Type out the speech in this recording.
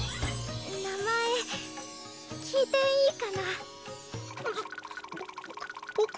名前聞いていいかな。ッ！